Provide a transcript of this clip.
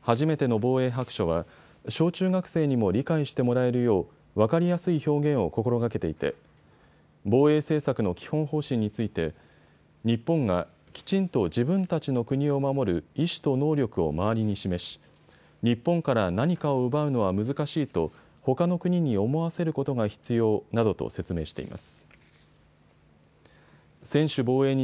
はじめての防衛白書は小中学生にも理解してもらえるよう分かりやすい表現を心がけていて防衛政策の基本方針について日本がきちんと自分たちの国を守る意思と能力を周りに示し日本から何かを奪うのは難しいとほかの国に思わせることが必要などと説明しています。